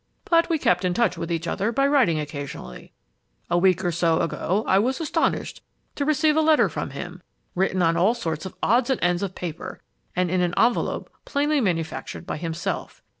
But we kept in touch with each other by writing occasionally. A week or so ago I was astonished to receive a letter from him, written on all sorts of odds and ends of paper and in an envelope plainly manufactured by himself.